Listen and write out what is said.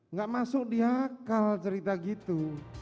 nggak masuk di akal cerita gitu